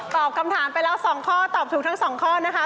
คำถามไปแล้ว๒ข้อตอบถูกทั้ง๒ข้อนะคะ